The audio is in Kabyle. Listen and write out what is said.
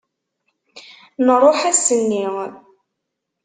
Nruḥ ass-nni.